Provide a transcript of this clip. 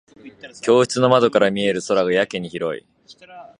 教室の窓から見える空がやけに広い。